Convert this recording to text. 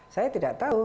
saya tidak tahu